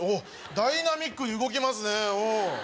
ダイナミックに動きますね。